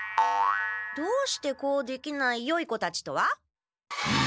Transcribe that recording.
「どうしてこうできないよい子たち」とは？